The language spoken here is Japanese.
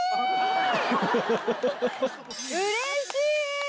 うれしい！